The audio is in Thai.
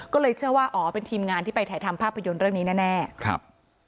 ก็เลยเชื่อว่าอ๋อเป็นทีมงานที่ไปถ่ายทำภาพยนตร์เรื่องนี้แน่แน่ครับ